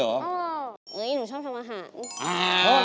หนูชอบทำอาหาร